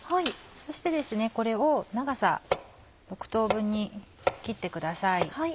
そしてこれを長さ６等分に切ってください。